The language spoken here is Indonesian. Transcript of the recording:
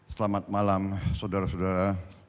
selamat malam saudara saudara